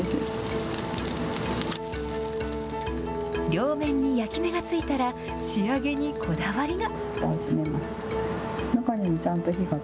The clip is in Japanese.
両面に焼き目がついたら、仕上げにこだわりが。